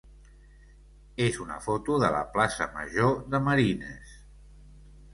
és una foto de la plaça major de Marines.